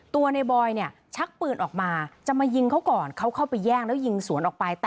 ตัวในบอยเนี่ยชักปืนออกมาจะมายิงเขาก่อนเขาเข้าไปแย่งแล้วยิงสวนออกไป